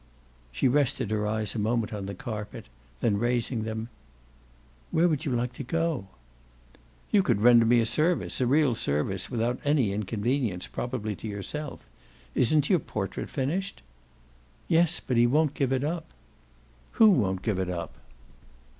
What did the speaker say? She rested her eyes a moment on the carpet; then raising them: "Where would you like to go?" "You could render me a service a real service without any inconvenience probably to yourself. Isn't your portrait finished?" "Yes, but he won't give it up." "Who won't give it up?"